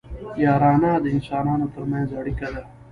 یارانه د انسانانو ترمنځ اړیکه ده